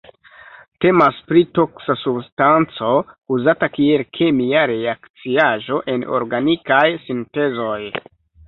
Temas pri toksa substanco uzata kiel kemia reakciaĵo en organikaj sintezoj.